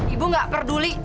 ibu gak peduli